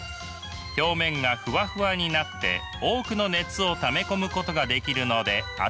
表面がふわふわになって多くの熱をため込むことができるので暖かいのです。